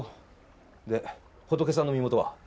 でホトケさんの身元は？